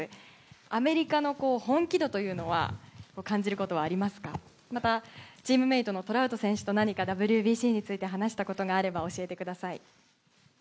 アメリカの本気度というのは感じることはありますか、またチームメートのトラウト選手とＷＢＣについて話したことがあれば教えてください。